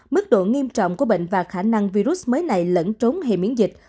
mức độ nghiêm trọng của bệnh và khả năng virus mới này lẫn trốn hệ miễn dịch